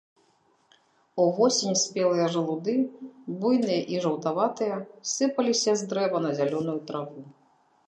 Увосень спелыя жалуды, буйныя і жаўтаватыя, сыпаліся з дрэва на зялёную траву.